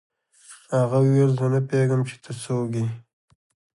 هغه وویل زه نه پوهېږم چې ته څوک یې